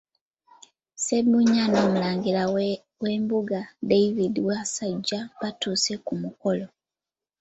Ssebunnya n’omulangira w’embuga David Wassajja batuuse ku mukolo.